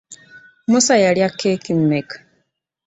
Musa yalya keeki mmeka?